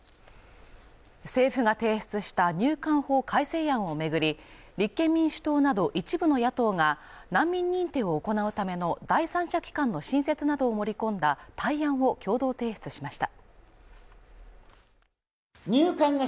政府が提出した入管法改正案を巡り、立憲民主党など一部の野党が難民認定を行うための第三者機関の新設などを盛り込んだ対案を共同提出しました。